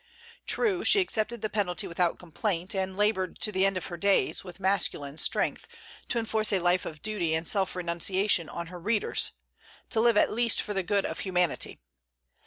True, she accepted the penalty without complaint, and labored to the end of her days, with masculine strength, to enforce a life of duty and self renunciation on her readers, to live at least for the good of humanity.